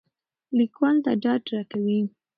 لیکوال دا ډاډ راکوي.